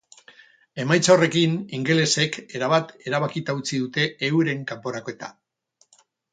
Emaitza horrekin, ingelesek erabat erabakita utzi dute euren kanporaketa.